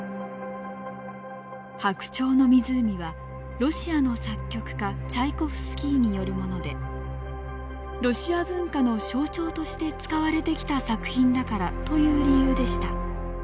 「白鳥の湖」はロシアの作曲家チャイコフスキーによるもので「ロシア文化の象徴として使われてきた作品だから」という理由でした。